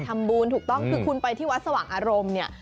ถูกต้องคือคุณไปที่วัดสว่างอารมณ์เนี่ย